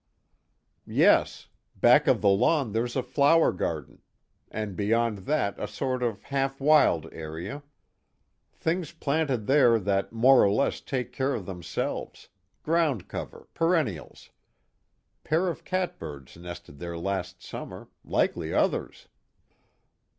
"Yes. Back of the lawn there's a flower garden, and beyond that a sort of half wild area. Things planted there that more or less take care of themselves ground cover, perennials. Pair of catbirds nested there last summer, likely others."